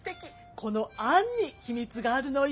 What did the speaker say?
このあんに秘密があるのよ。